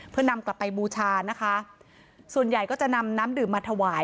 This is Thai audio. เพื่อนำกลับไปบูชานะคะส่วนใหญ่ก็จะนำน้ำดื่มมาถวาย